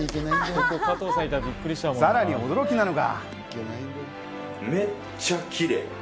さらに驚きなのが。